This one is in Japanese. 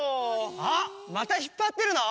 あっまたひっぱってるの？